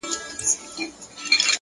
پرمختګ له کوچنیو بریاوو جوړیږي